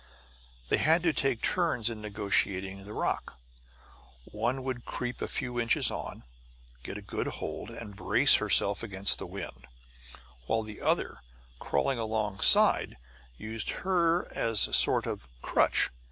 They had to take turns in negotiating the rock; one would creep a few inches on, get a good hold, and brace herself against the wind, while the other, crawling alongside, used her as a sort of a crutch.